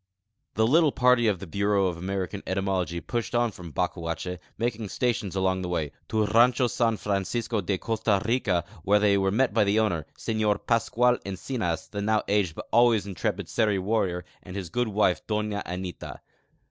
The little party of the Bureau of American Ethnology pushed on from Ifacuache, making stations by the way, to Rancho San Francisco de Costa Rica, wheri; they were met hy the owner, Senor I'ascual Encinas, the now aged hut always intrepid Seri g 12G SERILAND figliter, with his good wife Doha Anita.